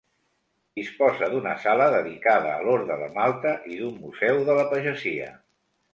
Disposa d'una sala dedicada a l'Orde de Malta i d'un museu de la pagesia.